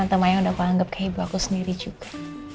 tante mayang udah aku anggap kayak ibu aku sendiri juga